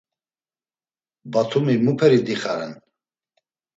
Batumi muperi dixa ren?